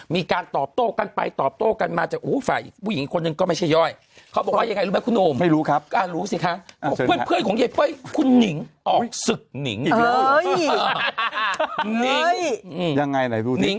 มีการสอบโต๊ะกันไปตอบโตะกันมาจากมีสายอีกผู้หญิงคนนึง